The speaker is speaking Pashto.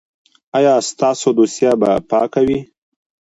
ایا ستاسو دوسیه به پاکه وي؟